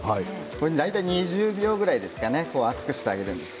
大体２０秒ぐらいですかね熱くしてあげるんです。